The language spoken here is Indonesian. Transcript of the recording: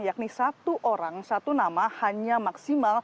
yakni satu orang satu nama hanya maksimal